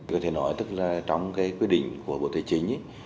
có thể nói tức là trong cái quyết định của bộ tài chính